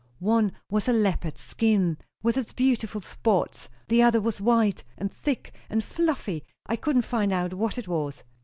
One was a leopard's skin, with its beautiful spots; the other was white and thick and fluffy I couldn't find out what it was."